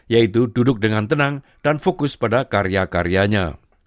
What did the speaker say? yaitu duduk dengan tenang dan fokus pada karya karyanya